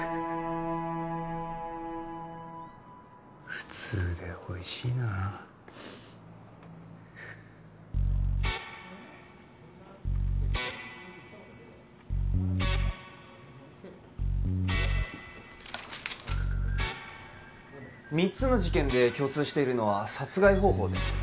普通でおいしいなあ３つの事件で共通しているのは殺害方法です